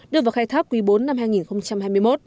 đưa vào khai thác quý bốn năm hai nghìn hai mươi một